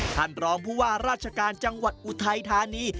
ท่านรองผู้ว่าราชการจังหวัดอุทัยธานี